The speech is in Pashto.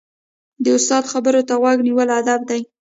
د استاد خبرو ته غوږ نیول ادب دی.